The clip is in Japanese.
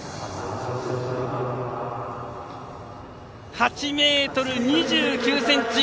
８ｍ２９ｃｍ。